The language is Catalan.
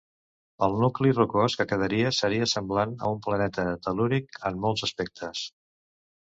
El nucli rocós que quedaria seria semblant a un planeta tel·lúric en molts aspectes.